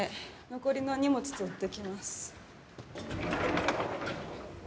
残りの荷物取ってきます。